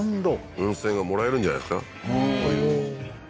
温泉がもらえるんじゃないですかほうー